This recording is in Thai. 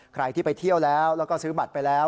ใครที่ไปเที่ยวแล้วแล้วก็ซื้อบัตรไปแล้ว